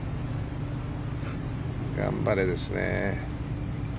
頑張れですね。